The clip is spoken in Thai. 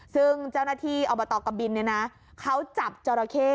ซึ่งเจ้าหน้าที่อบตกบินเขาจับจอราเข้